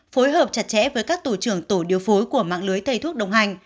phối hợp chặt chẽ với các tổ trưởng tổ điều phối của mạng lưới thầy thuốc đồng hành